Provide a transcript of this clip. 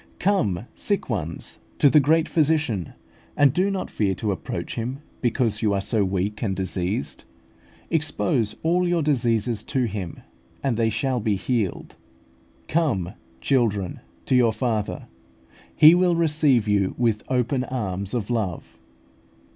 Come, sick ones, to the great Physician, and do not fear to approach Him because you are so weak and diseased: expose all your diseases to Him, and they shall be healed. Come, children, to your Father; He will receive you with open arms of love.